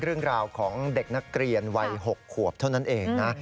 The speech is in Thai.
เรื่องราวของเด็กนักเรียนวัย๖ขวบเท่านั้นเองนะ